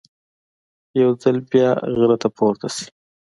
یو ځل بیا غره ته پورته شي.